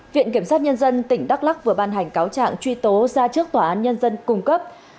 viện kiểm sát nhân dân tỉnh đắk lắc vừa ban hành cáo trạng truy tố ra trước tòa án nhân dân cung cấp